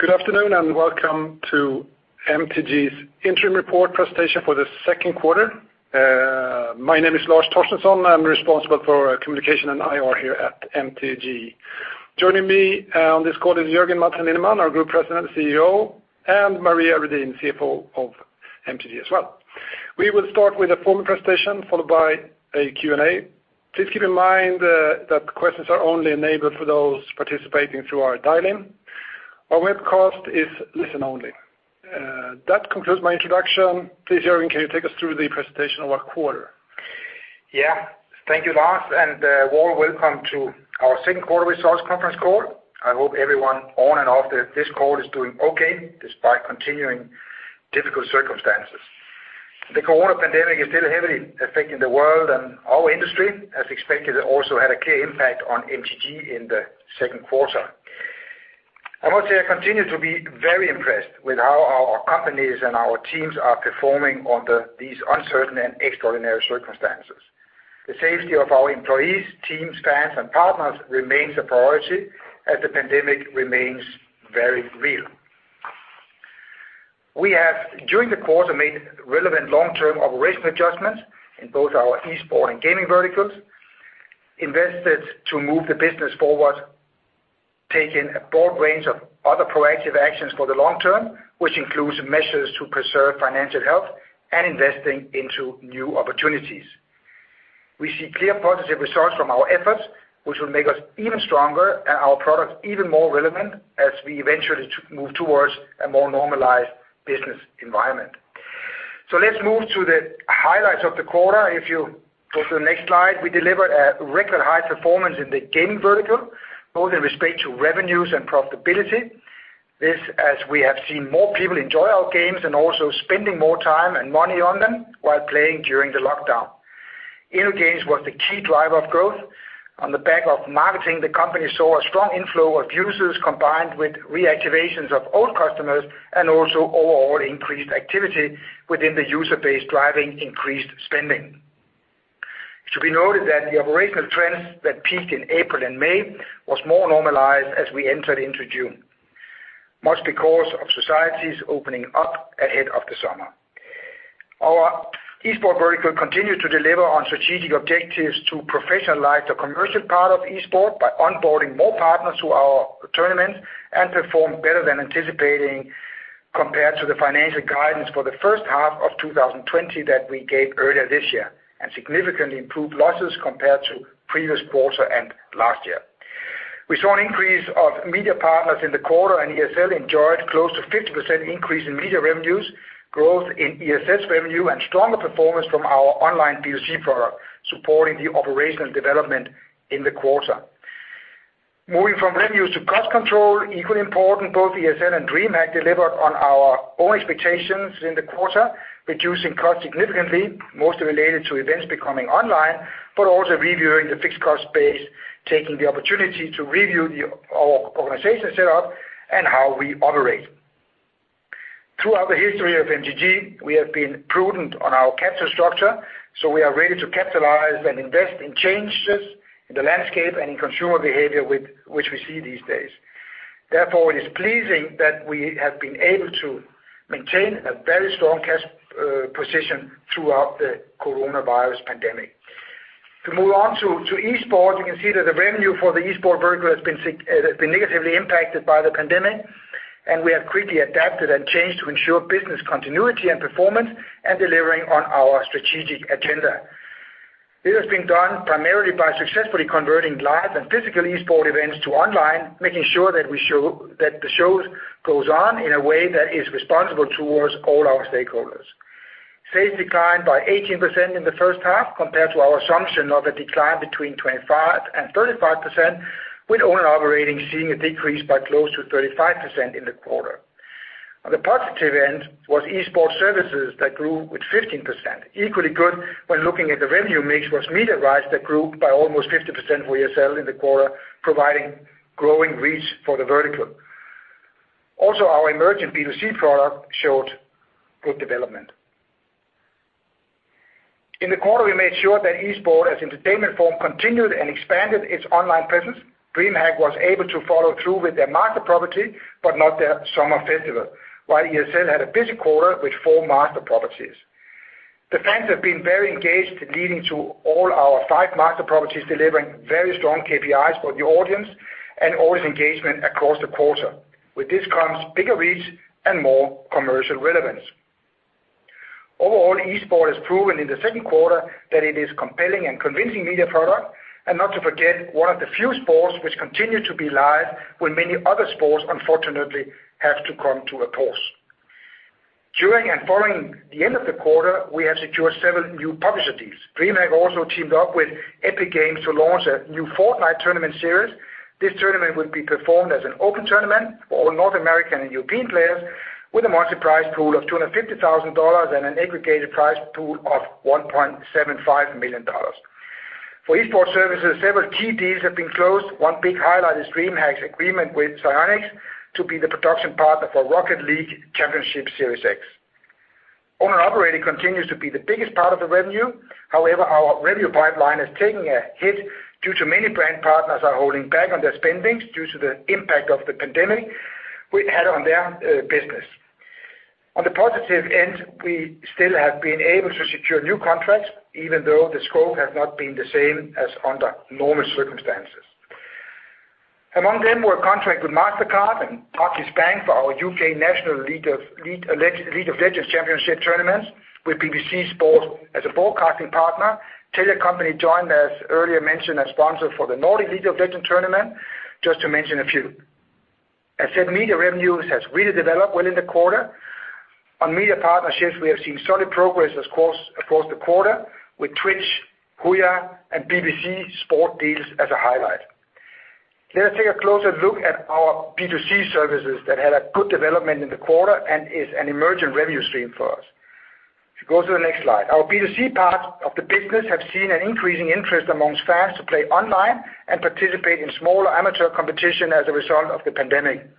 Good afternoon. Welcome to MTG's interim report presentation for the second quarter. My name is Lars Torstensson, I'm responsible for communication and IR here at MTG. Joining me on this call is Jørgen Madsen Lindemann, our Group President, CEO, and Maria Redin, CFO of MTG as well. We will start with a formal presentation, followed by a Q&A. Please keep in mind that questions are only enabled for those participating through our dial-in. Our webcast is listen-only. That concludes my introduction. Please, Jørgen, can you take us through the presentation of our quarter? Yeah. Thank you, Lars, and a warm welcome to our second quarter results conference call. I hope everyone on and off this call is doing okay despite continuing difficult circumstances. The COVID pandemic is still heavily affecting the world and our industry. As expected, it also had a clear impact on MTG in the second quarter. I must say I continue to be very impressed with how our companies and our teams are performing under these uncertain and extraordinary circumstances. The safety of our employees, teams, fans, and partners remains a priority as the pandemic remains very real. We have, during the quarter, made relevant long-term operational adjustments in both our esport and gaming verticals, invested to move the business forward, taken a broad range of other proactive actions for the long term, which includes measures to preserve financial health and investing into new opportunities. We see clear positive results from our efforts, which will make us even stronger and our products even more relevant as we eventually move towards a more normalized business environment. Let's move to the highlights of the quarter. If you go to the next slide, we delivered a record high performance in the gaming vertical, both in respect to revenues and profitability. This as we have seen more people enjoy our games and also spending more time and money on them while playing during the lockdown. In-games was the key driver of growth. On the back of marketing, the company saw a strong inflow of users combined with reactivations of old customers and also overall increased activity within the user base driving increased spending. It should be noted that the operational trends that peaked in April and May was more normalized as we entered into June, much because of societies opening up ahead of the summer. Our esports vertical continued to deliver on strategic objectives to professionalize the commercial part of esports by onboarding more partners to our tournaments and perform better than anticipating compared to the financial guidance for the first half of 2020 that we gave earlier this year, and significantly improved losses compared to previous quarter and last year. We saw an increase of media partners in the quarter, and ESL enjoyed close to 50% increase in media revenues, growth in ESS revenue, and stronger performance from our online B2C product, supporting the operational development in the quarter. Moving from revenues to cost control, equally important, both ESL and DreamHack delivered on our own expectations in the quarter, reducing cost significantly, mostly related to events becoming online, but also reviewing the fixed cost base, taking the opportunity to review our organization setup and how we operate. Throughout the history of MTG, we have been prudent on our capital structure. We are ready to capitalize and invest in changes in the landscape and in consumer behavior which we see these days. Therefore, it is pleasing that we have been able to maintain a very strong cash position throughout the coronavirus pandemic. To move on to esports, you can see that the revenue for the esport vertical has been negatively impacted by the pandemic, and we have quickly adapted and changed to ensure business continuity and performance and delivering on our strategic agenda. This has been done primarily by successfully converting live and physical esports events to online, making sure that the shows goes on in a way that is responsible towards all our stakeholders. Sales declined by 18% in the first half compared to our assumption of a decline between 25% and 35%, with owned and operated seeing a decrease by close to 35% in the quarter. On the positive end was esports services that grew with 15%. Equally good when looking at the revenue mix was media rights that grew by almost 50% for ESL in the quarter, providing growing reach for the vertical. Also, our emerging B2C product showed good development. In the quarter, we made sure that esports as entertainment form continued and expanded its online presence. DreamHack was able to follow through with their master property, but not their summer festival, while ESL had a busy quarter with four master properties. The fans have been very engaged, leading to all our five master properties delivering very strong KPIs for the audience and audience engagement across the quarter. With this comes bigger reach and more commercial relevance. Overall, esport has proven in the second quarter that it is compelling and convincing media product, and not to forget, one of the few sports which continue to be live when many other sports unfortunately have to come to a pause. During and following the end of the quarter, we have secured several new publishing deals. DreamHack also teamed up with Epic Games to launch a new Fortnite tournament series. This tournament will be performed as an open tournament for all North American and European players with a monthly prize pool of $250,000 and an aggregated prize pool of $1.75 million. For esports services, several key deals have been closed. One big highlight is DreamHack's agreement with Psyonix to be the production partner for Rocket League Championship Series X. Owned and operated continues to be the biggest part of the revenue. Our revenue pipeline is taking a hit due to many brand partners are holding back on their spending due to the impact of the pandemic we had on their business. On the positive end, we still have been able to secure new contracts, even though the scope has not been the same as under normal circumstances. Among them were contract with Mastercard and Turkish Bank for our U.K. National League of Legends Championship tournaments with BBC Sport as a broadcasting partner. Telia Company joined, as earlier mentioned, as sponsor for the Nordic League of Legends tournament, just to mention a few. I said media revenues has really developed well in the quarter. On media partnerships, we have seen solid progress across the quarter with Twitch, HUYA, and BBC Sport deals as a highlight. Let us take a closer look at our B2C services that had a good development in the quarter and is an emerging revenue stream for us. If you go to the next slide. Our B2C parts of the business have seen an increasing interest amongst fans to play online and participate in smaller amateur competition as a result of the pandemic.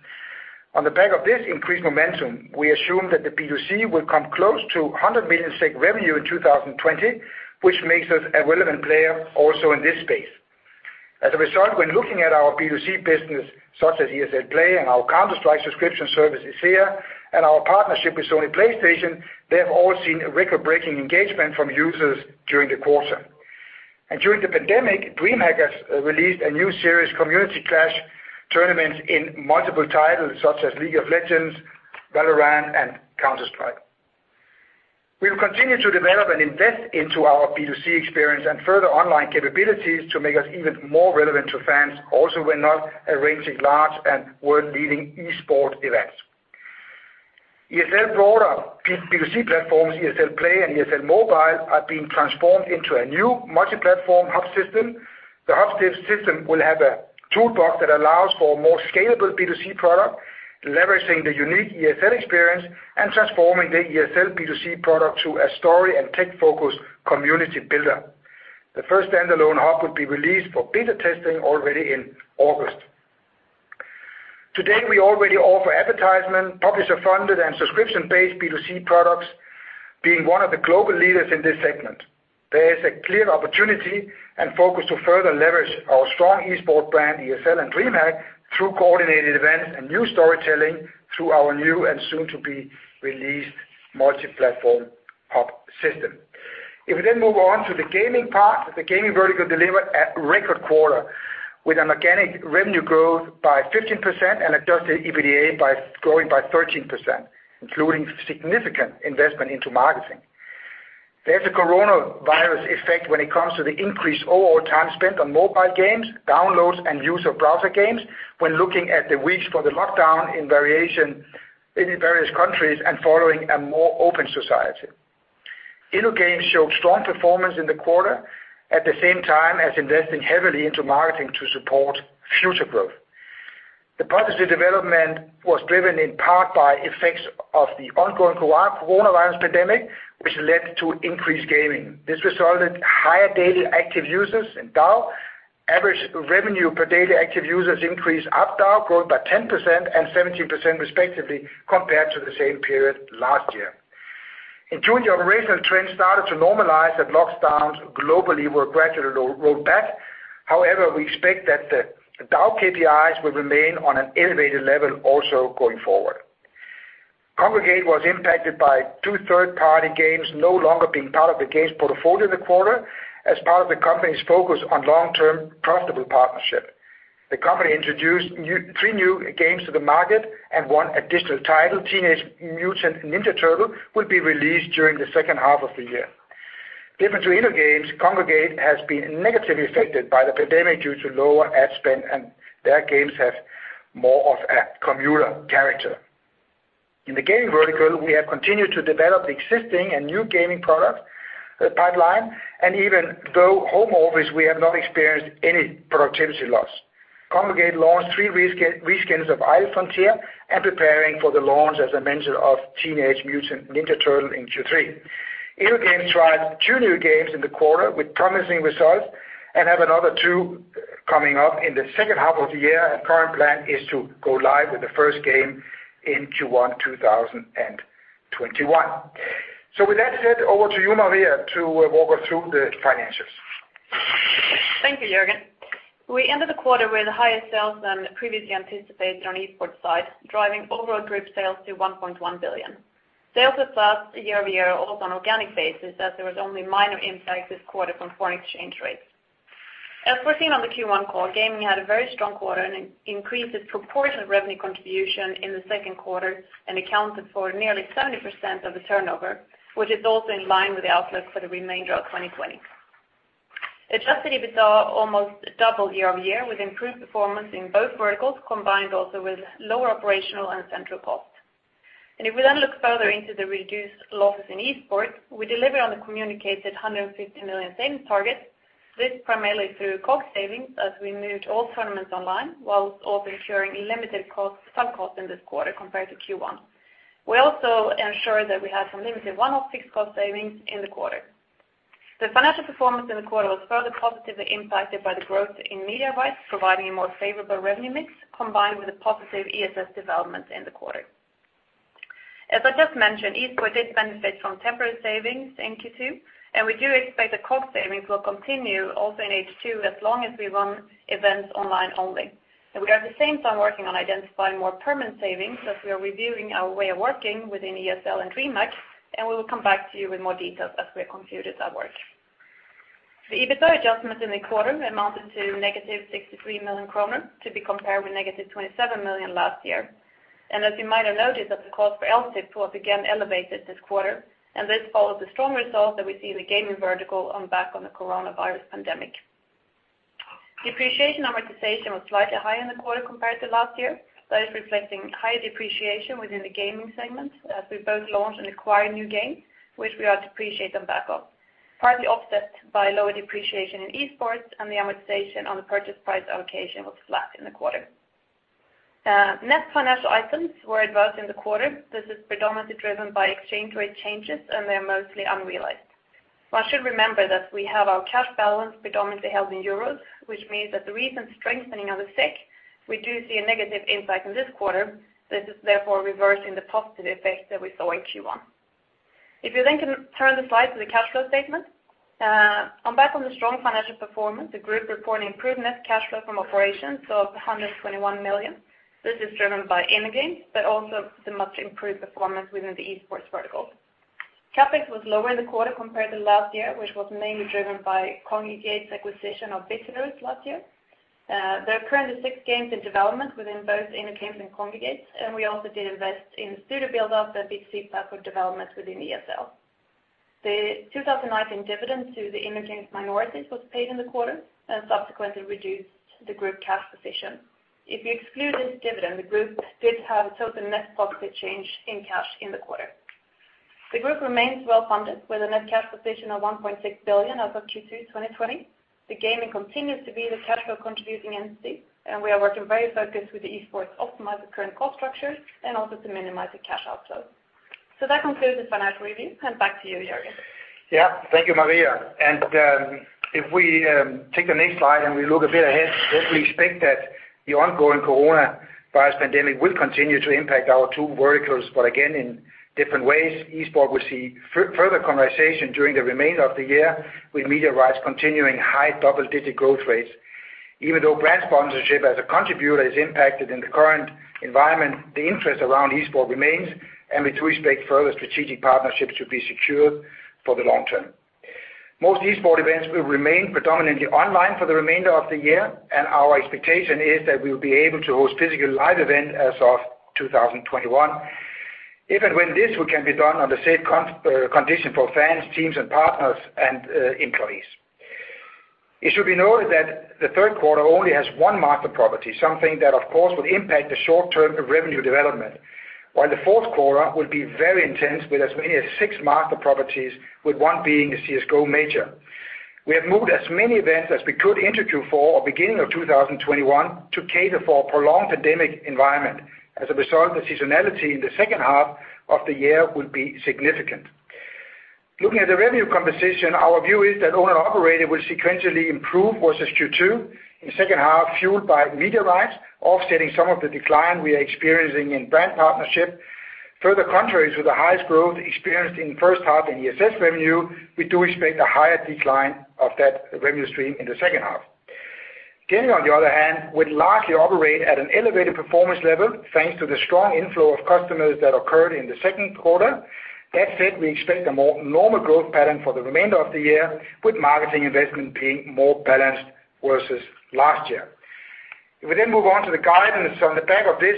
On the back of this increased momentum, we assume that the B2C will come close to 100 million SEK revenue in 2020, which makes us a relevant player also in this space. As a result, when looking at our B2C business, such as ESL Play and our Counter-Strike subscription service, ESEA, and our partnership with Sony PlayStation, they have all seen a record-breaking engagement from users during the quarter. During the pandemic, DreamHack released a new series, Community Clash tournaments in multiple titles such as League of Legends, Valorant, and Counter-Strike. We will continue to develop and invest into our B2C experience and further online capabilities to make us even more relevant to fans also when not arranging large and world-leading esports events. ESL broader B2C platforms, ESL Play and ESL Mobile, are being transformed into a new multi-platform hub system. The hub system will have a toolbox that allows for a more scalable B2C product, leveraging the unique ESL experience and transforming the ESL B2C product to a story and tech-focused community builder. The first standalone hub will be released for beta testing already in August. Today, we already offer advertisement, publisher-funded, and subscription-based B2C products, being one of the global leaders in this segment. There is a clear opportunity and focus to further leverage our strong esport brand, ESL and DreamHack, through coordinated events and new storytelling through our new and soon-to-be-released multi-platform hub system. If we move on to the gaming part, the gaming vertical delivered a record quarter with an organic revenue growth by 15% and adjusted EBITDA growing by 13%, including significant investment into marketing. There's a coronavirus effect when it comes to the increased overall time spent on mobile games, downloads, and use of browser games when looking at the weeks for the lockdown in various countries and following a more open society. InnoGames showed strong performance in the quarter, at the same time as investing heavily into marketing to support future growth. The positive development was driven in part by effects of the ongoing coronavirus pandemic, which led to increased gaming. This resulted higher daily active users in DAU. Average revenue per daily active users increased ARPDAU, growing by 10% and 17% respectively compared to the same period last year. In June, the operational trend started to normalize as lockdowns globally were gradually rolled back. However, we expect that the DAU KPIs will remain on an elevated level also going forward. Kongregate was impacted by two third-party games no longer being part of the games portfolio this quarter as part of the company's focus on long-term profitable partnership. The company introduced three new games to the market and one additional title, Teenage Mutant Ninja Turtles, will be released during the second half of the year. Given to InnoGames, Kongregate has been negatively affected by the pandemic due to lower ad spend and their games have more of a commuter character. In the gaming vertical, we have continued to develop the existing and new gaming product pipeline, and even though home office, we have not experienced any productivity loss. Kongregate launched three reskins of Idle Frontier and preparing for the launch, as I mentioned, of Teenage Mutant Ninja Turtles in Q3. InnoGames tried two new games in the quarter with promising results and have another two coming up in the second half of the year. Our current plan is to go live with the first game in Q1 2021. With that said, over to you, Maria, to walk us through the financials. Thank you, Jørgen. We ended the quarter with higher sales than previously anticipated on esports side, driving overall group sales to 1.1 billion. Sales was up year-over-year, also on organic basis, as there was only minor impact this quarter from foreign exchange rates. As foreseen on the Q1 call, gaming had a very strong quarter and increased its proportion of revenue contribution in the second quarter and accounted for nearly 70% of the turnover, which is also in line with the outlook for the remainder of 2020. Adjusted EBITDA almost doubled year-over-year with improved performance in both verticals, combined also with lower operational and central costs. If we then look further into the reduced losses in esports, we delivered on the communicated 150 million savings target. This primarily through COGS savings as we moved all tournaments online while also ensuring limited sub cost in this quarter compared to Q1. We also ensured that we had some limited one-off fixed cost savings in the quarter. The financial performance in the quarter was further positively impacted by the growth in media rights, providing a more favorable revenue mix combined with a positive ESS development in the quarter. As I just mentioned, Esports did benefit from temporary savings in Q2, and we do expect the cost savings will continue also in H2 as long as we run events online only. We are at the same time working on identifying more permanent savings as we are reviewing our way of working within ESL and DreamHack, and we will come back to you with more details as we conclude this work. The EBITDA adjustments in the quarter amounted to -63 million kronor to be compared with -27 million last year. As you might have noticed that the cost for LTIP was again elevated this quarter, and this follows the strong results that we see in the gaming vertical on the back of the coronavirus pandemic. Depreciation amortization was slightly higher in the quarter compared to last year. That is reflecting higher depreciation within the gaming segments as we both launched and acquired new games, which we are to appreciate them back up, partly offset by lower depreciation in Esports and the amortization on the purchase price allocation was flat in the quarter. Net financial items were advanced in the quarter. This is predominantly driven by exchange rate changes, and they're mostly unrealized. One should remember that we have our cash balance predominantly held in EUR, which means that the recent strengthening of the SEK, we do see a negative insight in this quarter. This is therefore reversing the positive effects that we saw in Q1. If you can turn the slide to the cash flow statement. On the back of the strong financial performance, the group report an improved net cash flow from operations of 121 million. This is driven by InnoGames, but also the much-improved performance within the esports vertical. CapEx was lower in the quarter compared to last year, which was mainly driven by Kongregate's acquisition of Business last year. There are currently six games in development within both InnoGames and Kongregate, and we also did invest in studio build-up and big seed fund development within ESL. The 2019 dividend to the Image Games minorities was paid in the quarter and subsequently reduced the group cash position. If you exclude this dividend, the group did have a total net positive change in cash in the quarter. The group remains well-funded with a net cash position of 1.6 billion as of Q2 2020. The gaming continues to be the cash flow contributing entity. We are working very focused with the Esports optimized current cost structures and also to minimize the cash outflow. That concludes the financial review. Back to you, Jørgen. Yeah. Thank you, Maria. If we take the next slide and we look a bit ahead, that we expect that the ongoing coronavirus pandemic will continue to impact our two verticals, but again, in different ways. Esports will see further conversation during the remainder of the year, with media rights continuing high double-digit growth rates. Even though brand sponsorship as a contributor is impacted in the current environment, the interest around Esports remains, and we do expect further strategic partnerships to be secured for the long term. Most Esports events will remain predominantly online for the remainder of the year, and our expectation is that we'll be able to host physical live events as of 2021, if and when this can be done under safe conditions for fans, teams and partners, and employees. It should be noted that the third quarter only has 1 master property, something that, of course, will impact the short-term revenue development, while the fourth quarter will be very intense with as many as six master properties, with one being a CS:GO Major. We have moved as many events as we could into Q4 or beginning of 2021 to cater for a prolonged pandemic environment. As a result, the seasonality in the second half of the year will be significant. Looking at the revenue composition, our view is that owned and operated will sequentially improve versus Q2 in the second half, fueled by media rights, offsetting some of the decline we are experiencing in brand partnership. Further contrary to the highest growth experienced in the first half in the ESS revenue, we do expect a higher decline of that revenue stream in the second half. Gaming, on the other hand, would largely operate at an elevated performance level, thanks to the strong inflow of customers that occurred in the second quarter. That said, we expect a more normal growth pattern for the remainder of the year, with marketing investment being more balanced versus last year. If we then move on to the guidance. On the back of this,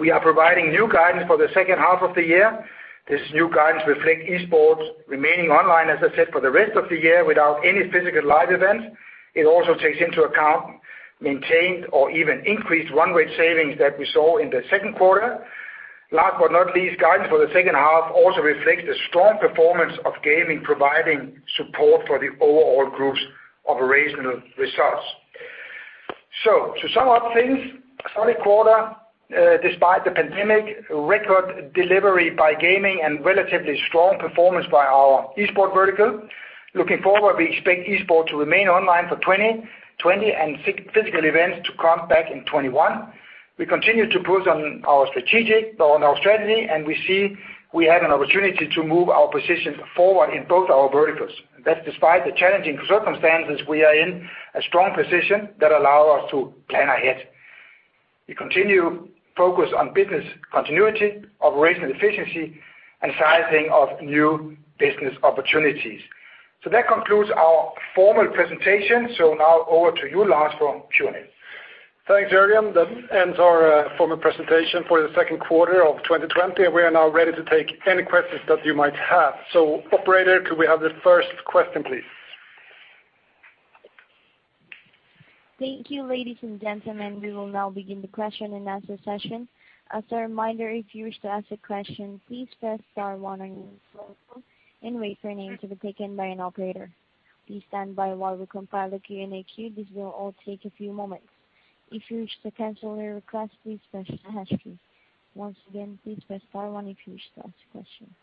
we are providing new guidance for the second half of the year. This new guidance reflects Esports remaining online, as I said, for the rest of the year without any physical live events. It also takes into account maintained or even increased run rate savings that we saw in the second quarter. Last but not least, guidance for the second half also reflects the strong performance of gaming, providing support for the overall group's operational results. To sum up things, a solid quarter despite the pandemic, record delivery by gaming, and relatively strong performance by our Esports vertical. Looking forward, we expect Esports to remain online for 2020 and physical events to come back in 2021. We continue to push on our strategy, and we see we have an opportunity to move our position forward in both our verticals. That despite the challenging circumstances, we are in a strong position that allow us to plan ahead. We continue focus on business continuity, operational efficiency, and sizing of new business opportunities. That concludes our formal presentation. Now over to you, Lars, for Q&A. Thanks, Jørgen. That ends our formal presentation for the second quarter of 2020. We are now ready to take any questions that you might have. Operator, could we have the first question, please? Thank you, ladies and gentlemen. We will now begin the question-and-answer session. As a reminder, if you wish to ask a question, please press star one on your phone and wait for your name to be taken by an operator. Please stand by while we compile the Q&A queue. This will all take a few moments. If you wish to cancel your request, please press hash key. Once again, please press star one if you wish to ask a question.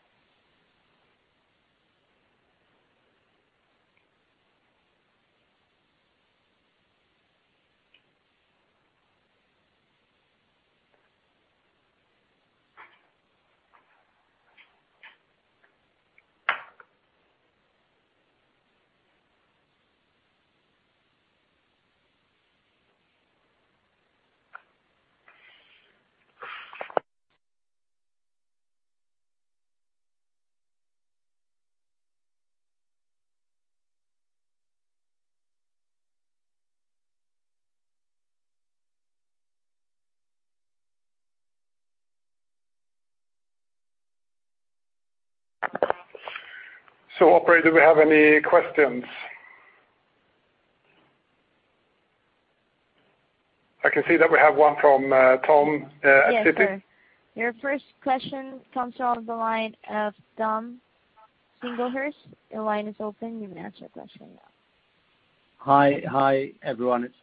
Operator, do we have any questions? I can see that we have one from Tom at Citi. Yes, sir. Your first question comes off the line of Tom Singlehurst. Your line is open. You may ask your question now. Hi, everyone. It's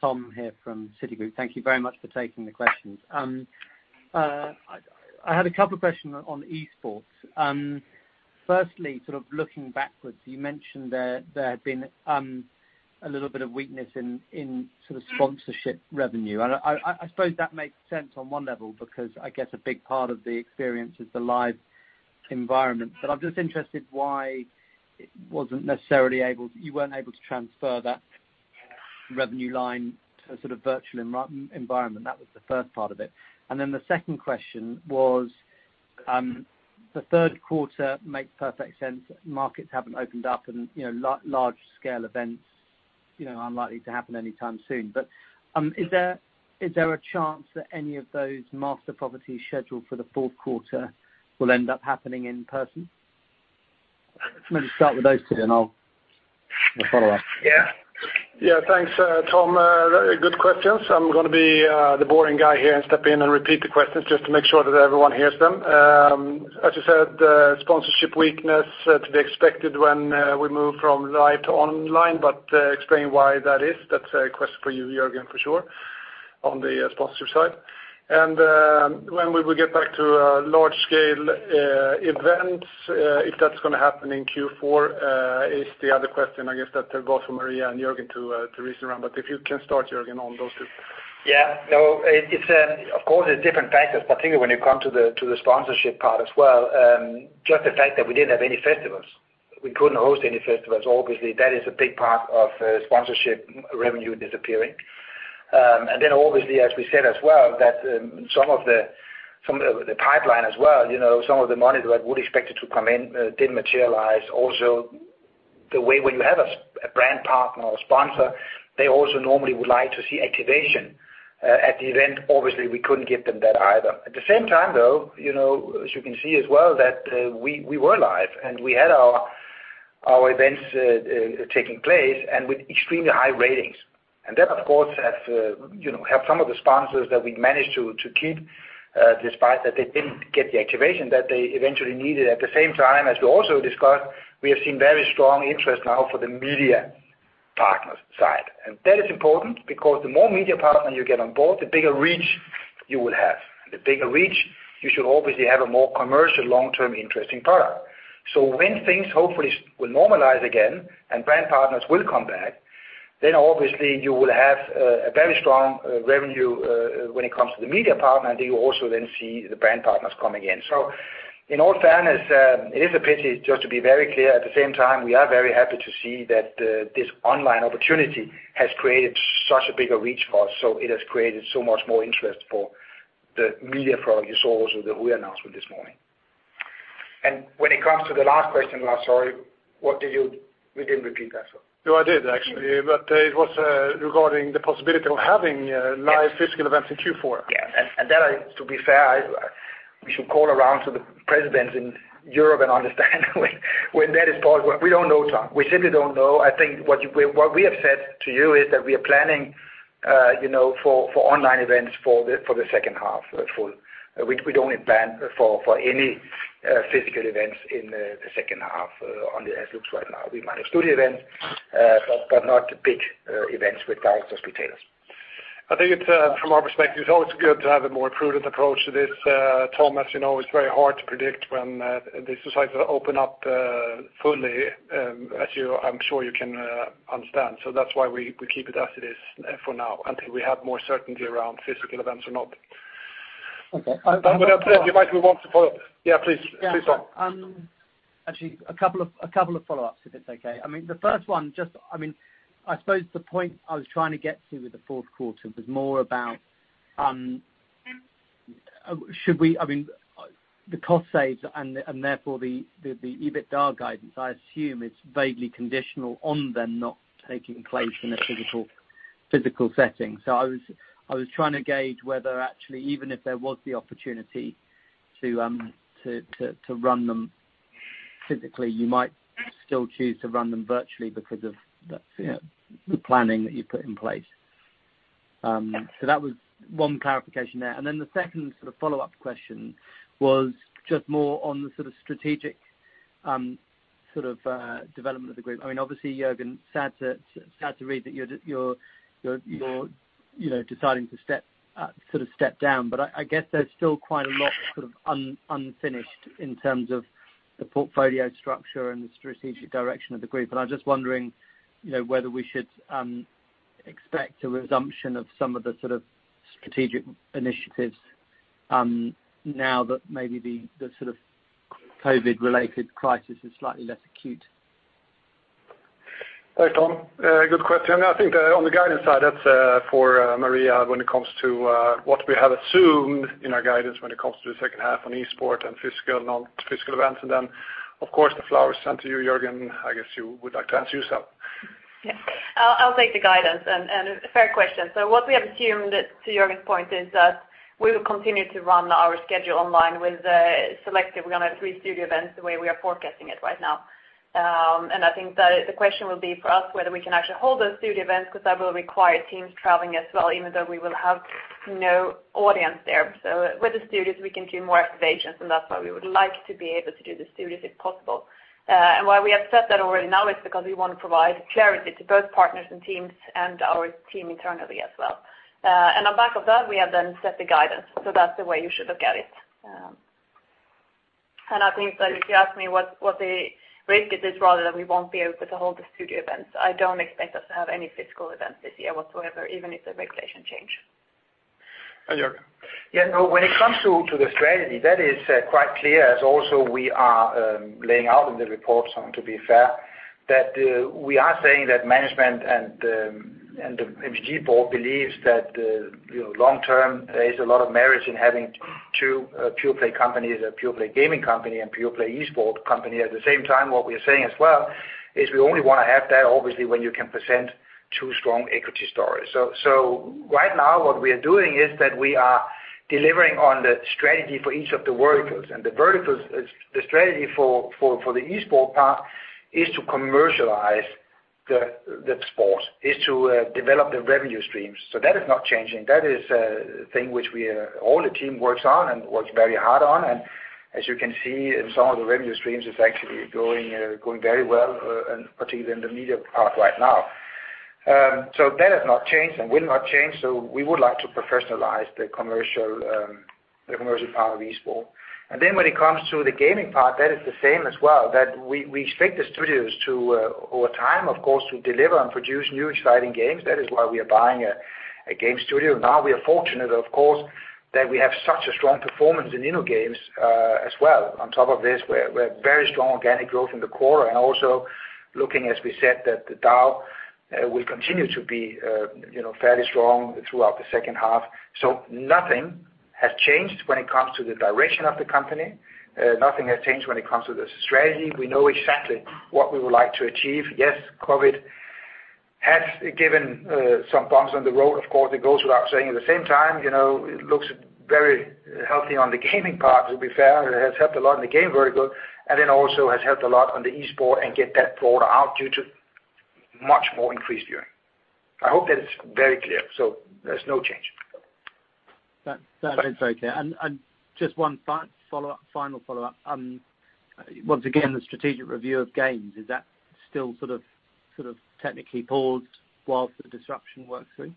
Tom here from Citigroup. Thank you very much for taking the questions. I had a couple of questions on esports. Firstly, sort of looking backwards, you mentioned there had been a little bit of weakness in sponsorship revenue. I suppose that makes sense on one level because I guess a big part of the experience is the live environment. I'm just interested why you weren't able to transfer that revenue line to a sort of virtual environment. That was the first part of it. The second question was, the third quarter makes perfect sense. Markets haven't opened up and large-scale events are unlikely to happen anytime soon. Is there a chance that any of those master properties scheduled for the fourth quarter will end up happening in person? Maybe start with those two, and I'll follow up. Yeah. Thanks, Tom. Very good questions. I'm going to be the boring guy here and step in and repeat the questions just to make sure that everyone hears them. As you said, sponsorship weakness to be expected when we move from live to online, but explain why that is. That's a question for you, Jørgen, for sure, on the sponsorship side. When we will get back to large-scale events, if that's going to happen in Q4, is the other question, I guess, that go for Maria and Jørgen to reason around. If you can start, Jørgen, on those two. No, of course, there's different factors, particularly when you come to the sponsorship part as well. Just the fact that we didn't have any festivals. We couldn't host any festivals. Obviously, that is a big part of sponsorship revenue disappearing. Obviously, as we said as well, that some of the pipeline as well, some of the money that I would expected to come in didn't materialize. Also, the way when you have a brand partner or sponsor, they also normally would like to see activation at the event. Obviously, we couldn't give them that either. At the same time, though, as you can see as well that we were live and we had our events taking place and with extremely high ratings. That, of course, have some of the sponsors that we managed to keep, despite that they didn't get the activation that they eventually needed. At the same time, as we also discussed, we have seen very strong interest now for the media partners side. That is important because the more media partners you get on board, the bigger reach you will have. The bigger reach, you should obviously have a more commercial long-term interesting product. When things hopefully will normalize again and brand partners will come back, then obviously you will have a very strong revenue when it comes to the media partner, and then you also see the brand partners coming in. In all fairness, it is a pity just to be very clear. At the same time, we are very happy to see that this online opportunity has created such a bigger reach for us. It has created so much more interest for the media product you saw also that we announced this morning. When it comes to the last question, I'm sorry, you didn't repeat that. No, I did actually, but it was regarding the possibility of having live physical events in Q4. Yes. That, to be fair, we should call around to the presidents in Europe and understand when that is possible. We don't know, Tom. We simply don't know. I think what we have said to you is that we are planning for online events for the second half full. We don't plan for any physical events in the second half as it looks right now. We might have studio events, but not big events with thousands of retailers. I think from our perspective, it's always good to have a more prudent approach to this, Tom. As you know, it's very hard to predict when the societies open up fully, as I'm sure you can understand. That's why we keep it as it is for now until we have more certainty around physical events or not. Okay. You might want to follow up. Yeah, please, Tom. Actually, a couple of follow-ups, if it's okay. The first one I suppose the point I was trying to get to with the fourth quarter was more about, the cost saves and therefore the EBITDA guidance, I assume, is vaguely conditional on them not taking place in a physical setting. I was trying to gauge whether actually, even if there was the opportunity to run them physically, you might still choose to run them virtually because of the planning that you put in place. That was one clarification there. Then the second sort of follow-up question was just more on the sort of strategic sort of development of the group. Obviously, Jørgen, sad to read that you're deciding to sort of step down, but I guess there's still quite a lot unfinished in terms of the portfolio structure and the strategic direction of the group. I'm just wondering whether we should expect a resumption of some of the strategic initiatives now that maybe the COVID-related crisis is slightly less acute? Hi, Tom. Good question. I think on the guidance side, that's for Maria when it comes to what we have assumed in our guidance when it comes to the second half on esport and physical, non-physical events. Of course, the flowers sent to you, Jørgen, I guess you would like to answer yourself. Yeah. I'll take the guidance, fair question. What we have assumed, to Jørgen's point, is that we will continue to run our schedule online with selective. We only have three studio events the way we are forecasting it right now. I think that the question will be for us, whether we can actually hold those studio events, because that will require teams traveling as well, even though we will have no audience there. With the studios, we can do more activations, and that's why we would like to be able to do the studios, if possible. Why we have set that already now is because we want to provide clarity to both partners and teams, and our team internally as well. On back of that, we have then set the guidance. That's the way you should look at it. I think that if you ask me what the risk is, it's rather that we won't be able to hold the studio events. I don't expect us to have any physical events this year whatsoever, even if the regulations change. Hi, Jørgen. Yeah, no, when it comes to the strategy, that is quite clear as also we are laying out in the report, to be fair, that we are saying that management and the MTG board believes that long term there is a lot of merit in having two pure play companies, a pure play gaming company, and pure play esport company. At the same time, what we are saying as well is we only want to have that obviously when you can present two strong equity stories. Right now, what we are doing is that we are delivering on the strategy for each of the verticals. The verticals, the strategy for the esport part is to commercialize the sport, is to develop the revenue streams. That is not changing. That is a thing which all the team works on and works very hard on, and as you can see in some of the revenue streams, it's actually going very well, and particularly in the media part right now. That has not changed and will not change. We would like to professionalize the commercial part of esport. When it comes to the gaming part, that is the same as well, that we expect the studios to, over time, of course, to deliver and produce new exciting games. That is why we are buying a game studio. We are fortunate, of course, that we have such a strong performance in InnoGames as well. On top of this, we're very strong organic growth in the quarter, and also looking, as we said, that the DAU will continue to be fairly strong throughout the second half. Nothing has changed when it comes to the direction of the company. Nothing has changed when it comes to the strategy. We know exactly what we would like to achieve. COVID has given some bumps on the road, of course, it goes without saying. At the same time, it looks very healthy on the gaming part, to be fair. It has helped a lot in the game vertical, and also has helped a lot on the esports and get that product out due to much more increased viewing. I hope that is very clear. There's no change. That is very clear. Just one final follow-up. Once again, the strategic review of games, is that still sort of technically paused while the disruption works through?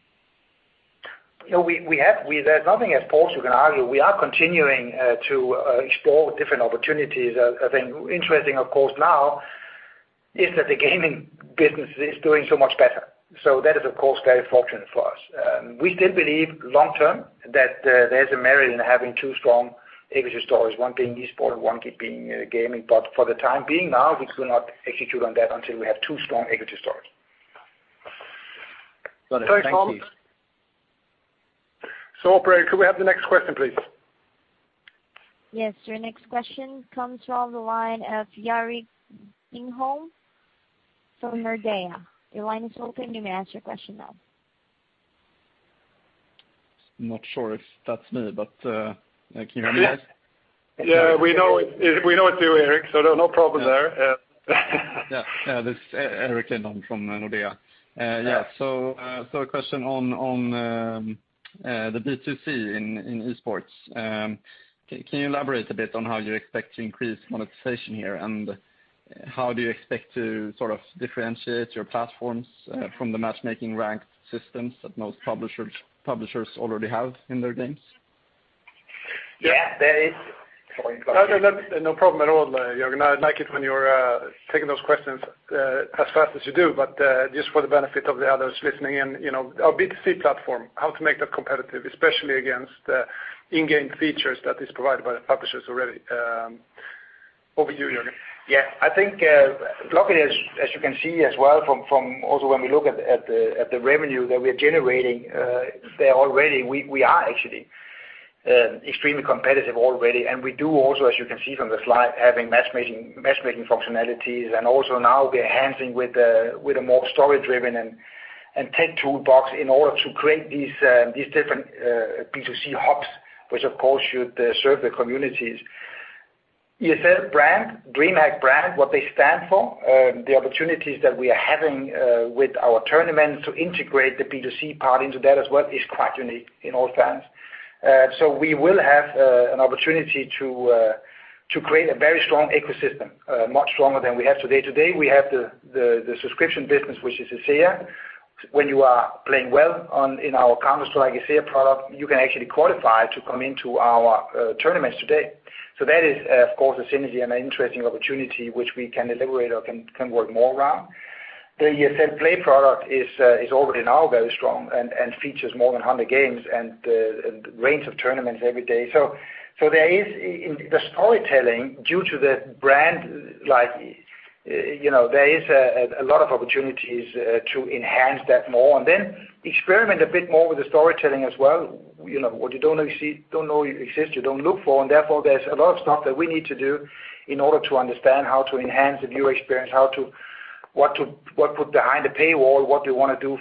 There's nothing that's paused, you can argue. We are continuing to explore different opportunities. I think interesting, of course, now is that the gaming business is doing so much better. That is, of course, very fortunate for us. We still believe long term that there's a merit in having two strong equity stories, one being esport and one being gaming. For the time being now, we could not execute on that until we have two strong equity stories. Sorry, Tom. Operator, could we have the next question, please? Yes, your next question comes from the line of Erik Lindholm from Nordea. Your line is open. You may ask your question now. Not sure if that's me, but can you hear me guys? Yeah, we know it's you, Erik, so no problem there. Yeah. This is Erik Lindholm from Nordea. Yeah. A question on the B2C in esports. Can you elaborate a bit on how you expect to increase monetization here, and how do you expect to sort of differentiate your platforms from the matchmaking ranked systems that most publishers already have in their games? Yeah, there is Sorry. Go ahead. No, no. No problem at all, Jørgen. I like it when you are taking those questions as fast as you do, but just for the benefit of the others listening in, our B2C platform, how to make that competitive, especially against in-game features that is provided by the publishers already. Over to you, Jørgen. Yeah, I think luckily, as you can see as well from also when we look at the revenue that we're generating there already, we are actually extremely competitive already, and we do also, as you can see from the slide, having matchmaking functionalities and also now we are enhancing with a more story-driven and tech toolbox in order to create these different B2C hubs, which of course should serve the communities. ESL brand, DreamHack brand, what they stand for, the opportunities that we are having with our tournaments to integrate the B2C part into that as well is quite unique in all sense. We will have an opportunity to create a very strong ecosystem, much stronger than we have today. Today, we have the subscription business, which is ESEA. When you are playing well in our Counter-Strike ESEA product, you can actually qualify to come into our tournaments today. That is of course a synergy and an interesting opportunity which we can deliberate or can work more around. The ESL Play product is already now very strong and features more than 100 games and a range of tournaments every day. There is the storytelling due to the brand, there is a lot of opportunities to enhance that more and then experiment a bit more with the storytelling as well. What you don't know exists, you don't look for, and therefore there's a lot of stuff that we need to do in order to understand how to enhance the viewer experience, what to put behind the paywall, what we want to do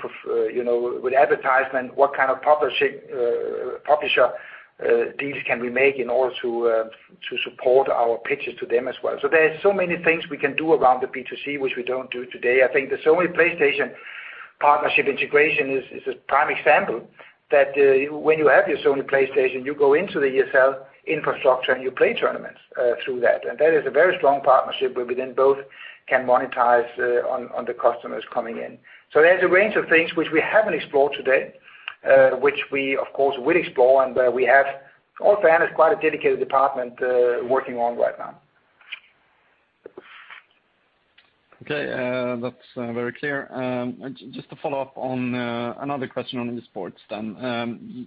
with advertisement, what kind of publisher deals can we make in order to support our pitches to them as well. There are so many things we can do around the B2C, which we don't do today. I think the Sony PlayStation partnership integration is a prime example, that when you have your Sony PlayStation, you go into the ESL infrastructure and you play tournaments through that. That is a very strong partnership where within both can monetize on the customers coming in. There's a range of things which we haven't explored today, which we of course will explore and where we have also has quite a dedicated department working on right now. Okay, that's very clear. Just to follow up on another question on esports then.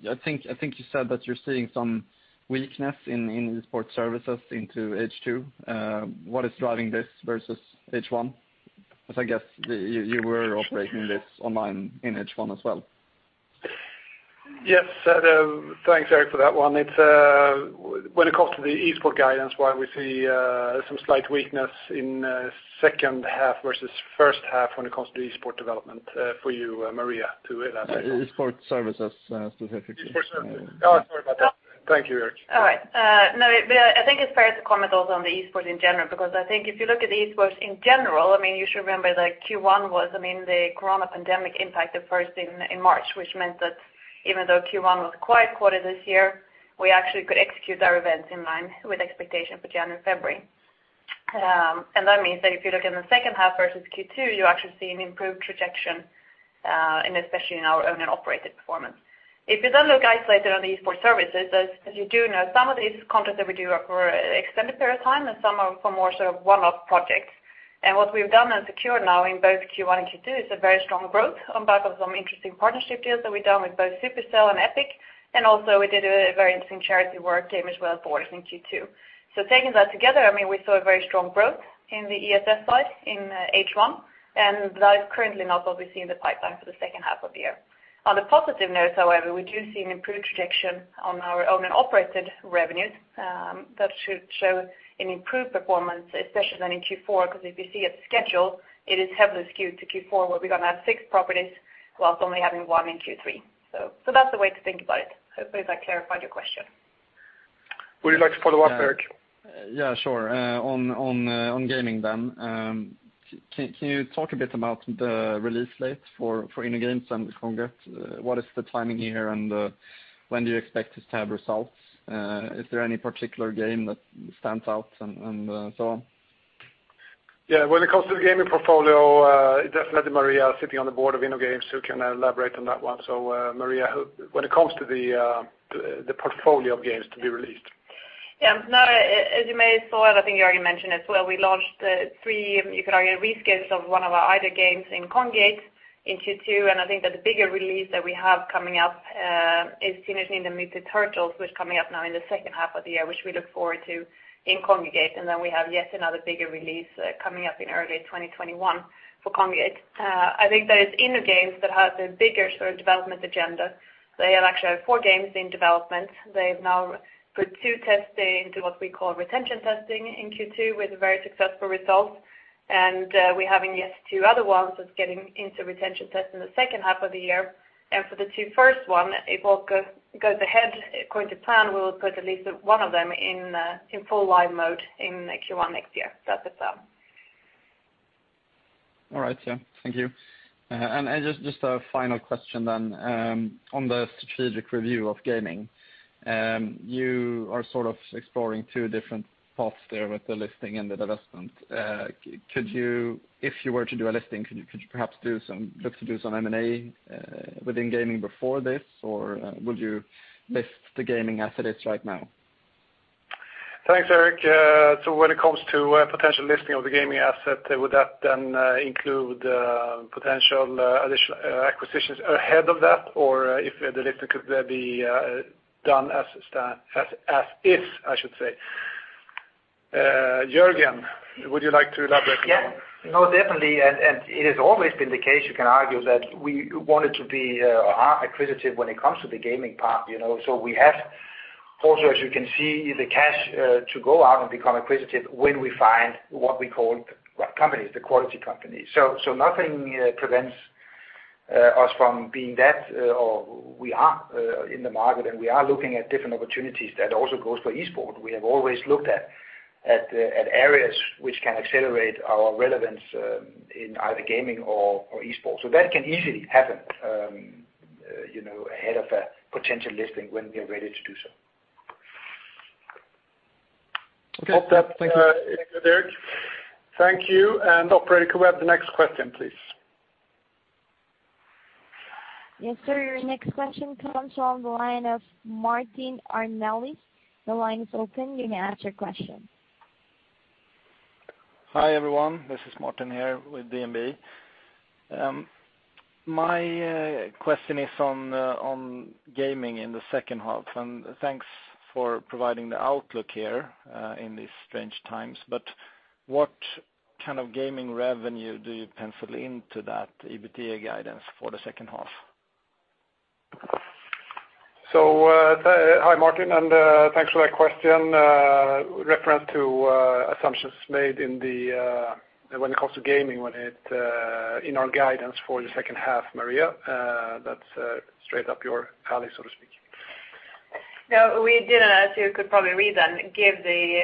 I think you said that you're seeing some weakness in esports services into H2. What is driving this versus H1? I guess you were operating this online in H1 as well. Yes. Thanks, Erik, for that one. When it comes to the esports guidance, why we see some slight weakness in second half versus first half when it comes to the esports development, for you, Maria, to elaborate. Esports services, specifically. Esports services. Sorry about that. Thank you, Erik. All right. I think it's fair to comment also on the esports in general, because I think if you look at esports in general, you should remember that Q1 was, the corona pandemic impacted first in March, which meant that even though Q1 was quite quarter this year, we actually could execute our events in line with expectation for January, February. That means that if you look in the second half versus Q2, you actually see an improved trajectory, and especially in our owned and operated performance. If you then look isolated on the esport services, as you do know, some of these contracts that we do are for extended period of time, and some are for more sort of one-off projects. What we've done and secured now in both Q1 and Q2 is a very strong growth on back of some interesting partnership deals that we've done with both Supercell and Epic, and also we did a very interesting charity work game as well for in Q2. Taking that together, we saw a very strong growth in the ESL side in H1, and that is currently not what we see in the pipeline for the second half of the year. On a positive note, however, we do see an improved trajectory on our owned and operated revenues, that should show an improved performance, especially then in Q4, because if you see it scheduled, it is heavily skewed to Q4, where we're going to have six properties whilst only having one in Q3. That's the way to think about it. Hopefully that clarified your question. Would you like to follow up, Erik? Yeah, sure. On gaming then, can you talk a bit about the release date for InnoGames and Kongregate? What is the timing here, and when do you expect to have results? Is there any particular game that stands out and so on? Yeah. When it comes to the gaming portfolio, definitely Maria sitting on the board of InnoGames who can elaborate on that one. Maria, when it comes to the portfolio of games to be released. Yeah. As you may saw it, I think you already mentioned it as well, we launched three, you could argue, reskins of one of our idle games in Kongregate in Q2. I think that the bigger release that we have coming up is Teenage Mutant Turtles, which is coming up now in the second half of the year, which we look forward to in Kongregate. Then we have yet another bigger release coming up in early 2021 for Kongregate. I think that it's InnoGames that has the bigger sort of development agenda. They actually have four games in development. They've now put two testing into what we call retention testing in Q2 with very successful results. We're having, yes, two other ones that's getting into retention testing in the second half of the year. For the two first one, if all goes ahead according to plan, we will put at least one of them in full live mode in Q1 next year. That's it. All right. Yeah. Thank you. Just a final question then. On the strategic review of gaming, you are sort of exploring two different paths there with the listing and the divestment. If you were to do a listing, could you perhaps look to do some M&A within gaming before this? Or would you list the gaming as it is right now? Thanks, Erik. When it comes to potential listing of the gaming asset, would that then include potential additional acquisitions ahead of that? If the listing could be done as is, I should say. Jørgen, would you like to elaborate more? No, definitely, it has always been the case, you can argue that we want it to be acquisitive when it comes to the gaming part. We have also, as you can see, the cash to go out and become acquisitive when we find what we call companies, the quality companies. Nothing prevents us from being that, we are in the market, we are looking at different opportunities. That also goes for esports. We have always looked at areas which can accelerate our relevance in either gaming or esports. That can easily happen, you know, ahead of a potential listing when we are ready to do so. Okay Erik. Thank you. Operator, could we have the next question, please? Yes, sir. Your next question comes on the line of Martin Arnell. The line is open. You can ask your question. Hi, everyone. This is Martin Arnell with DNB. My question is on gaming in the second half, and thanks for providing the outlook here in these strange times. What kind of gaming revenue do you pencil into that EBITDA guidance for the second half? Hi, Martin, and thanks for that question. Reference to assumptions made when it comes to gaming in our guidance for the second half. Maria, that's straight up your alley, so to speak. No, we didn't, as you could probably read then, give the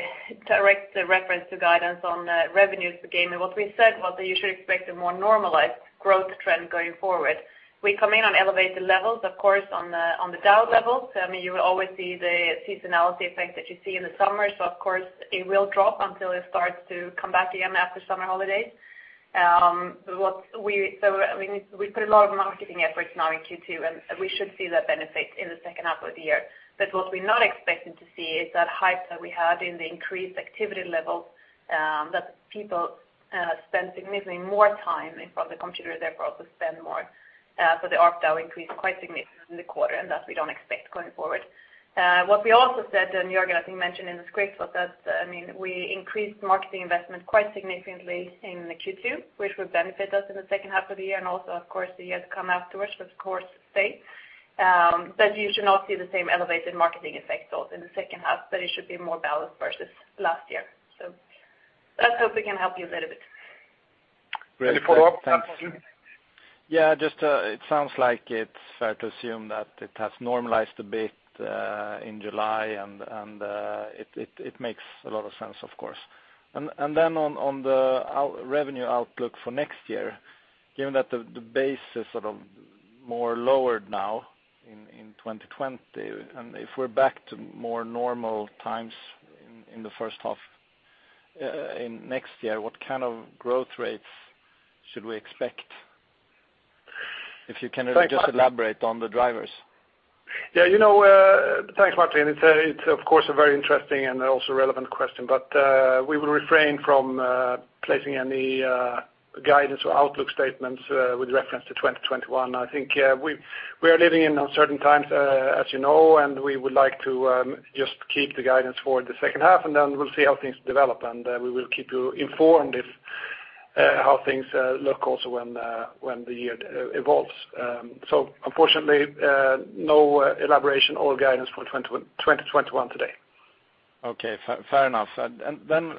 direct reference to guidance on revenues for gaming. What we said was that you should expect a more normalized growth trend going forward. We come in on elevated levels, of course, on the DAU levels. You will always see the seasonality effect that you see in the summer. Of course, it will drop until it starts to come back again after summer holidays. We put a lot of marketing efforts now in Q2, and we should see that benefit in the second half of the year. What we're not expecting to see is that hype that we had in the increased activity levels, that people spend significantly more time in front of the computer, therefore also spend more. The ARPDAU increased quite significantly in the quarter, and that we don't expect going forward. What we also said, and Jørgen I think mentioned in his script, was that we increased marketing investment quite significantly in Q2, which would benefit us in the second half of the year. Also, of course, the years come afterwards, of course, stay. You should not see the same elevated marketing effect also in the second half, that it should be more balanced versus last year. Let's hope we can help you a little bit. Any follow-up, Martin? Yeah, just it sounds like it's fair to assume that it has normalized a bit in July, and it makes a lot of sense, of course. Then on the revenue outlook for next year, given that the base is sort of more lowered now in 2020, and if we're back to more normal times in the first half in next year, what kind of growth rates should we expect? If you can just elaborate on the drivers. Yeah. Thanks, Martin. It's of course a very interesting and also relevant question, but we will refrain from placing any guidance or outlook statements with reference to 2021. I think we are living in uncertain times as you know, and we would like to just keep the guidance for the second half, and then we'll see how things develop, and we will keep you informed how things look also when the year evolves. Unfortunately, no elaboration or guidance for 2021 today. Okay, fair enough. Then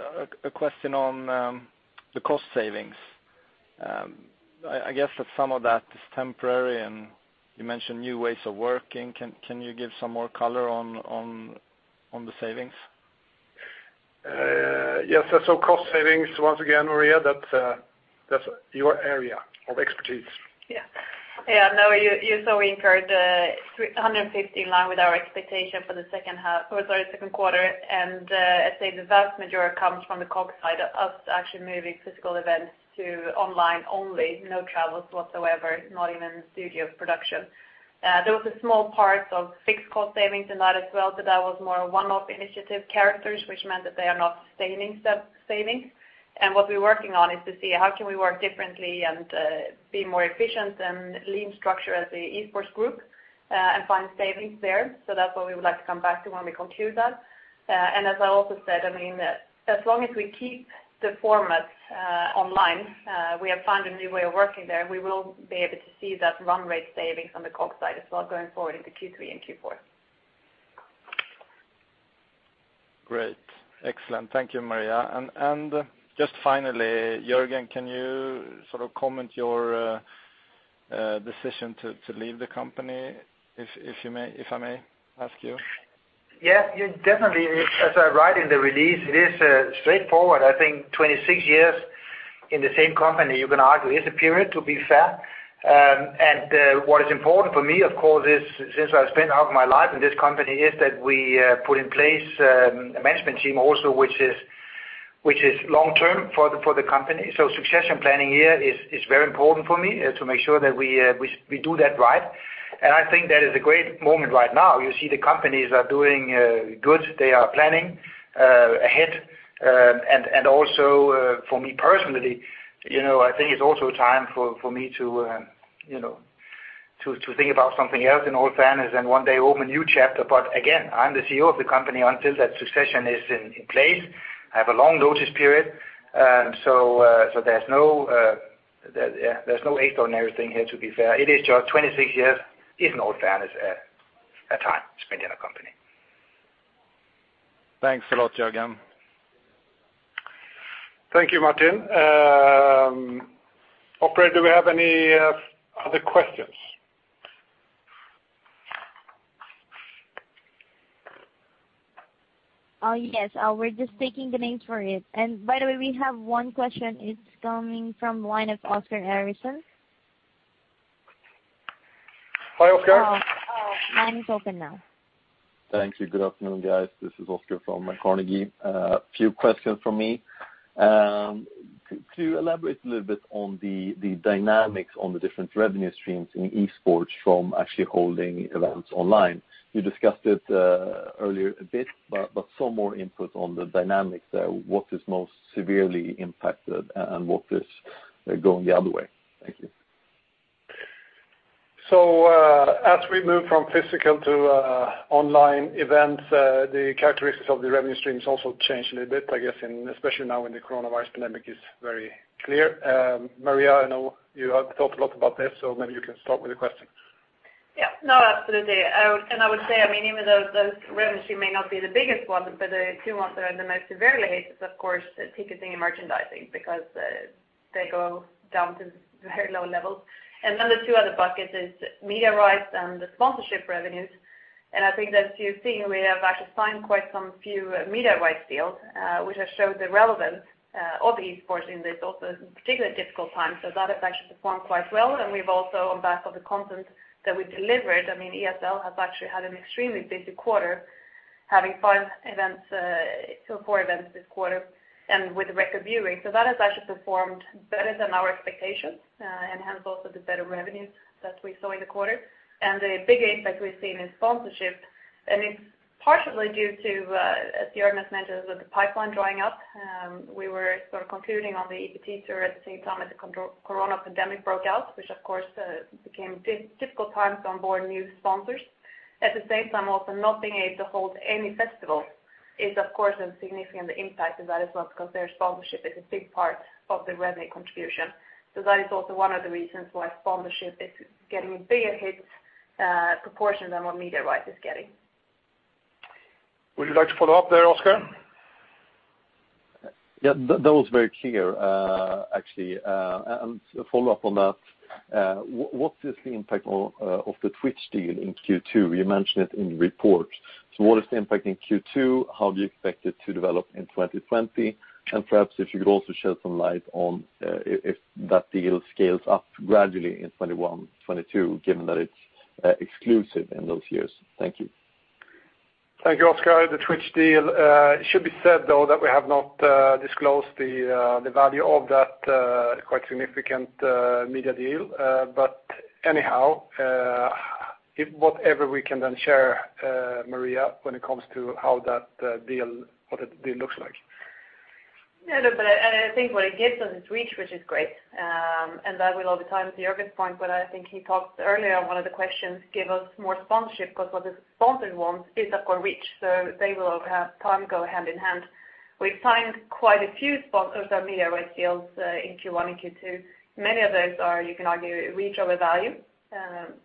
a question on the cost savings. I guess that some of that is temporary, and you mentioned new ways of working. Can you give some more color on the savings? Yes. Cost savings, once again, Maria, that's your area of expertise. Yeah. You saw we incurred 150 in line with our expectation for the second quarter. I'd say the vast majority comes from the COGS side of us actually moving physical events to online only. No travels whatsoever, not even studio production. There was a small part of fixed cost savings in that as well. That was more a one-off initiative characters, which meant that they are not sustaining savings. What we're working on is to see how can we work differently and be more efficient and lean structure as the Esports group, and find savings there. That's what we would like to come back to when we conclude that. As I also said, as long as we keep the format online, we have found a new way of working there. We will be able to see that run rate savings on the COGS side as well going forward into Q3 and Q4. Great. Excellent. Thank you, Maria. Just finally, Jørgen, can you sort of comment your decision to leave the company, if I may ask you? Yeah, definitely. As I write in the release, it is straightforward. I think 26 years in the same company, you can argue it's a period to be fair. What is important for me, of course, is since I've spent half of my life in this company, is that we put in place a management team also, which is long-term for the company. Succession planning here is very important for me to make sure that we do that right. I think that is a great moment right now. You see the companies are doing good. They are planning ahead. Also for me personally, I think it's also time for me to think about something else in all fairness and one day open a new chapter. Again, I'm the CEO of the company until that succession is in place. I have a long notice period. There's no extraordinary thing here, to be fair. It is just 26 years is, in all fairness, a time spent in a company. Thanks a lot, Jørgen. Thank you, Martin. Operator, do we have any other questions? Yes. We're just taking the names for it. By the way, we have one question. It's coming from the line of Oscar Erixon. Hi, Oscar. Line is open now. Thank you. Good afternoon, guys. This is Oskar from Carnegie. A few questions from me. To elaborate a little bit on the dynamics on the different revenue streams in esports from actually holding events online. You discussed it earlier a bit, but some more input on the dynamics there. What is most severely impacted and what is going the other way? Thank you. As we move from physical to online events, the characteristics of the revenue streams also change a little bit, I guess, especially now when the coronavirus pandemic is very clear. Maria, I know you have thought a lot about this, maybe you can start with the question. Yeah. No, absolutely. I would say, even though those revenue stream may not be the biggest ones, but the two ones that are in the most severely hit is, of course, ticketing and merchandising because they go down to very low levels. The two other buckets is media rights and the sponsorship revenues. I think that you're seeing we have actually signed quite some few media rights deals, which have showed the relevance of esports in this also particularly difficult time. That has actually performed quite well. We've also, on behalf of the content that we delivered, ESL has actually had an extremely busy quarter, having four events this quarter, and with record view rate. That has actually performed better than our expectations, and hence also the better revenues that we saw in the quarter. The big impact we've seen in sponsorship, and it's partially due to, as Jørgen has mentioned, the pipeline drying up. We were concluding on the EPT tour at the same time as the corona pandemic broke out, which of course, became difficult times to onboard new sponsors. At the same time, also not being able to hold any festival is, of course, a significant impact as well, because their sponsorship is a big part of the revenue contribution. That is also one of the reasons why sponsorship is getting a bigger hit proportion than what media rights is getting. Would you like to follow up there, Oscar? Yeah, that was very clear, actually. To follow up on that, what is the impact of the Twitch deal in Q2? You mentioned it in the report. What is the impact in Q2? How do you expect it to develop in 2020? Perhaps if you could also shed some light on if that deal scales up gradually in 2021, 2022, given that it's exclusive in those years. Thank you. Thank you, Oskar. The Twitch deal, it should be said, though, that we have not disclosed the value of that quite significant media deal. Anyhow, whatever we can then share, Maria, when it comes to how that deal, what the deal looks like. I think what it gives us is reach, which is great. That will, over time, to Jørgen's point, what I think he talked earlier in one of the questions, give us more sponsorship, because what the sponsors want is, of course, reach. They will, over time, go hand in hand. We've signed quite a few sponsors and media rights deals in Q1 and Q2. Many of those are, you can argue, reach over value,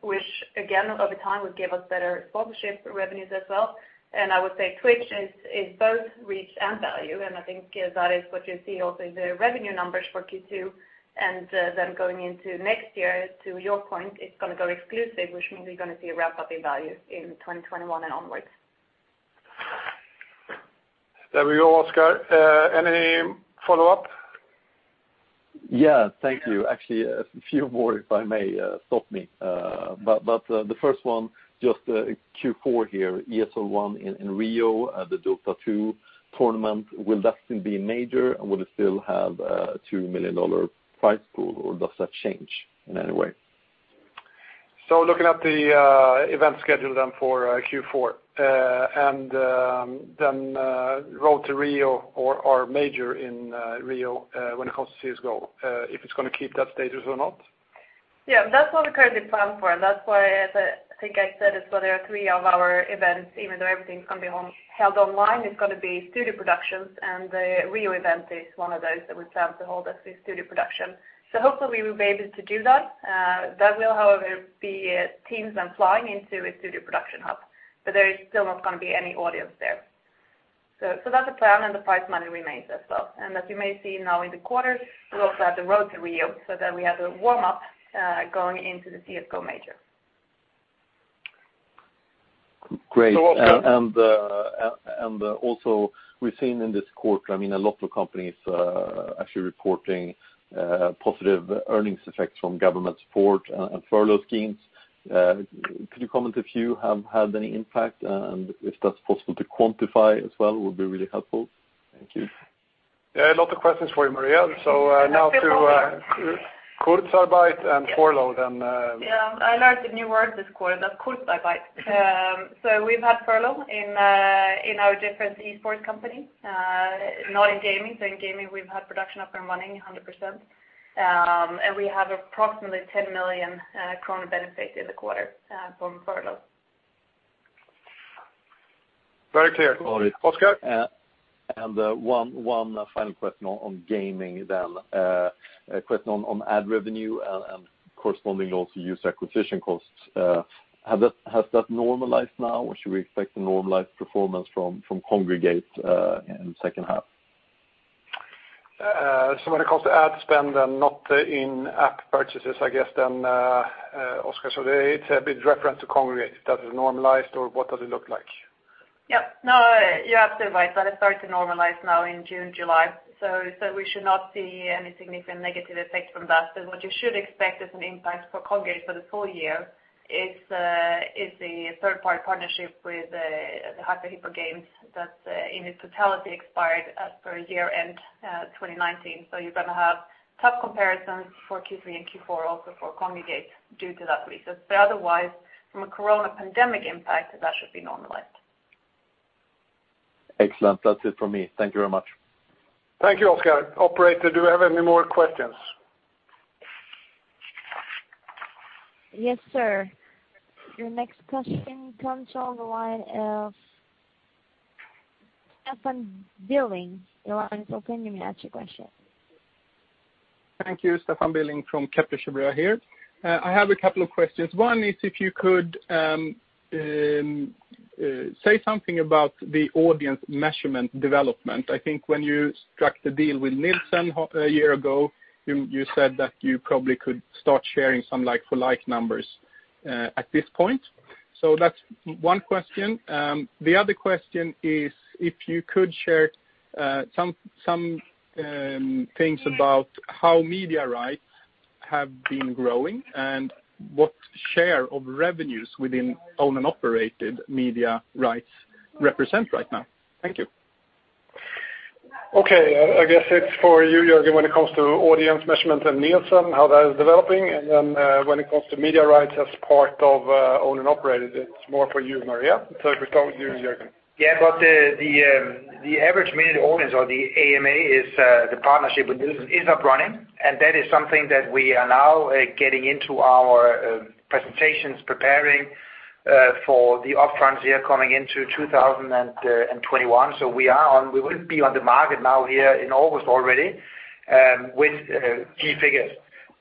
which again, over time, would give us better sponsorship revenues as well. I would say Twitch is both reach and value, and I think that is what you see also in the revenue numbers for Q2. Going into next year, to your point, it's going to go exclusive, which means we're going to see a ramp-up in value in 2021 and onwards. There we go, Oscar. Any follow-up? Yeah. Thank you. Actually, a few more if I may. Stop me. The first one, just Q4 here, ESL One in Rio at the Dota 2 tournament, will that still be major, and will it still have a $2 million prize pool, or does that change in any way? Looking at the event schedule then for Q4, and then Road to Rio or major in Rio, when it comes to CS:GO, if it's going to keep that status or not? Yeah. That's what we currently plan for, and that's why, I think I said as well, there are three of our events, even though everything's going to be held online, it's going to be studio productions, and the Rio event is one of those that we plan to hold as a studio production. Hopefully we will be able to do that. That will, however, be teams then flying into a studio production hub. There is still not going to be any audience there. That's the plan, and the prize money remains as well. As you may see now in the quarter, we also have the Road to Rio, so then we have the warm-up going into the CS:GO major. Great. Also, we've seen in this quarter, a lot of companies actually reporting positive earnings effects from government support and furlough schemes. Could you comment if you have had any impact, and if that's possible to quantify as well, would be really helpful? Thank you. Yeah, a lot of questions for you, Maria. Now to Kurzarbeit and furlough then. Yeah, I learned a new word this quarter, that's Kurzarbeit. We've had furlough in our different esports company. Not in gaming. In gaming, we've had production up and running 100%. We have approximately 10 million kronor benefit in the quarter from furlough. Very clear. Oskar? One final question on gaming then. A question on ad revenue and corresponding also user acquisition costs. Has that normalized now, or should we expect a normalized performance from Kongregate in second half? When it comes to ad spend and not in-app purchases, I guess then, Oscar, so it's a bit reference to Kongregate. Does it normalize or what does it look like? Yep. No, you're absolutely right. That has started to normalize now in June, July. We should not see any significant negative effect from that. What you should expect as an impact for Kongregate for the full year is the third-party partnership with the Hyper Hippo Entertainment that in its totality expired as per year-end 2019. You're going to have tough comparisons for Q3 and Q4 also for Kongregate due to that reason. Otherwise, from a coronavirus pandemic impact, that should be normalized. Excellent. That's it from me. Thank you very much. Thank you, Oscar. Operator, do we have any more questions? Yes, sir. Your next question comes on the line of Stefan Billing. Your line is open. You may ask your question. Thank you. Stefan Billing from here. I have a couple of questions. One is if you could say something about the audience measurement development. I think when you struck the deal with Nielsen a year ago, you said that you probably could start sharing some like for like numbers at this point. That's one question. The other question is if you could share some things about how media rights have been growing and what share of revenues within owned and operated media rights represent right now. Thank you. Okay. I guess it's for you, Jørgen, when it comes to audience measurement and Nielsen, how that is developing. When it comes to media rights as part of owned and operated, it's more for you, Maria. If we start with you, Jørgen. Yeah, the average media audience or the AMA is the partnership with Nielsen is up running, and that is something that we are now getting into our presentations preparing for the upfronts year coming into 2021. We will be on the market now here in August already with key figures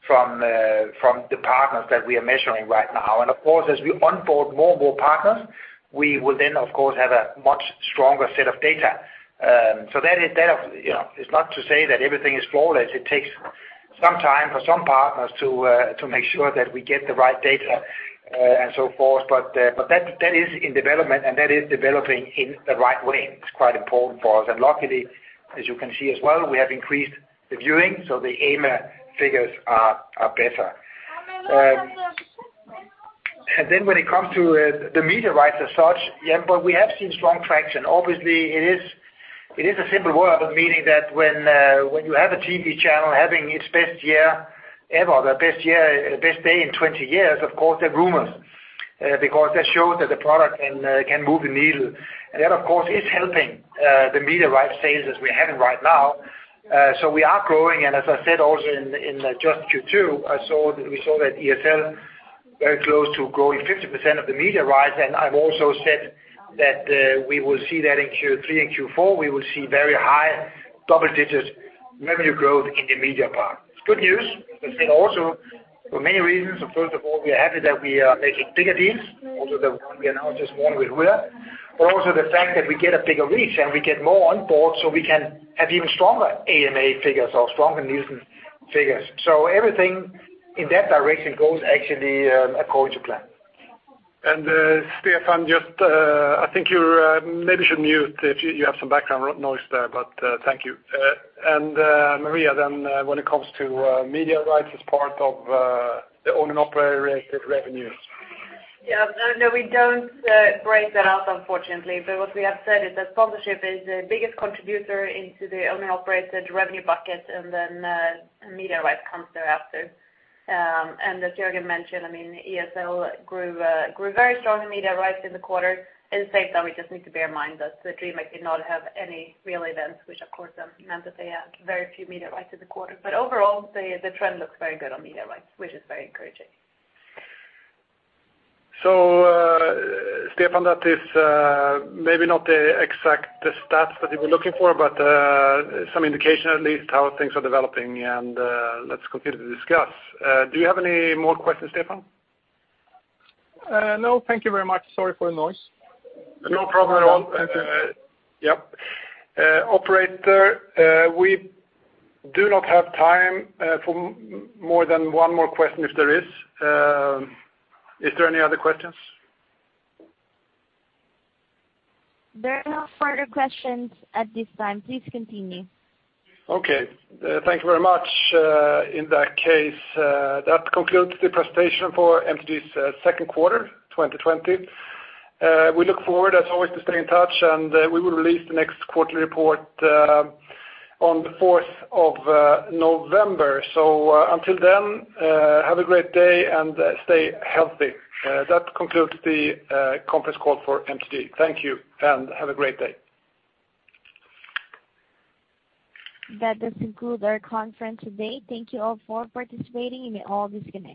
from the partners that we are measuring right now. Of course, as we onboard more partners, we will then of course have a much stronger set of data. It's not to say that everything is flawless. It takes some time for some partners to make sure that we get the right data and so forth. That is in development, and that is developing in the right way. It's quite important for us. Luckily, as you can see as well, we have increased the viewing, so the AMA figures are better. When it comes to the media rights as such, we have seen strong traction. Obviously, it is a simple world, meaning that when you have a TV channel having its best year ever, the best day in 20 years, of course, there are rumors because that shows that the product can move the needle. That, of course, is helping the media rights sales as we have right now. We are growing, and as I said, also in just Q2, we saw that ESL very close to growing 50% of the media rights. I've also said that we will see that in Q3 and Q4. We will see very high double-digit revenue growth in the media part. It's good news, I think also for many reasons. First of all, we are happy that we are making bigger deals. The one we are now just won with Wera. The fact that we get a bigger reach and we get more on board so we can have even stronger AMA figures or stronger Nielsen figures. Everything in that direction goes actually according to plan. Stefan, I think you maybe should mute if you have some background noise there, but thank you. Maria, when it comes to media rights as part of the owned and operated revenues. Yeah. We don't break that out unfortunately. What we have said is that sponsorship is the biggest contributor into the owned and operated revenue bucket, and then media rights comes thereafter. As Jørgen mentioned, ESL grew very strong in media rights in the quarter. In the same time, we just need to bear in mind that the DreamHack did not have any real events, which of course then meant that they had very few media rights in the quarter. Overall, the trend looks very good on media rights, which is very encouraging. Stefan, that is maybe not the exact stats that you were looking for, but some indication at least how things are developing and let's continue to discuss. Do you have any more questions, Stefan? No, thank you very much. Sorry for the noise. No problem at all. Yep. Operator, we do not have time for more than one more question if there is. Is there any other questions? There are no further questions at this time. Please continue. Thank you very much. In that case, that concludes the presentation for MTG's second quarter 2020. We look forward, as always, to staying in touch. We will release the next quarterly report on the 4th of November. Until then, have a great day and stay healthy. That concludes the conference call for MTG. Thank you. Have a great day. That does conclude our conference today. Thank you all for participating. You may all disconnect.